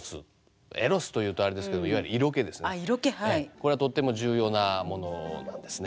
これはとっても重要なものなんですね。